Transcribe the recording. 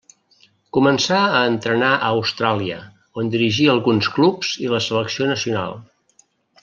Començà a entrenar a Austràlia, on dirigí alguns clubs i la selecció nacional.